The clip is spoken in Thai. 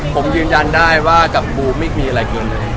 ผมยืนยันได้ว่ากับบูมไม่มีอะไรเกินเลย